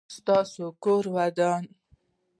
ستاسو کور ودان؟